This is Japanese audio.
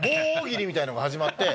みたいなのが始まって。